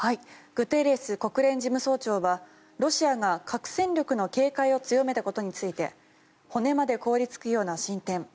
グテーレス国連事務総長はロシアが核戦力の警戒を強めたことについて骨まで凍りつくような進展